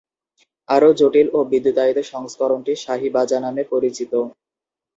আরও জটিল ও বিদ্যুতায়িত সংস্করণটি শাহী বাজা নামে পরিচিত।